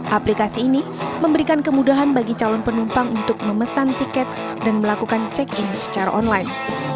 aplikasi ini memberikan kemudahan bagi calon penumpang untuk memesan tiket dan melakukan check in secara online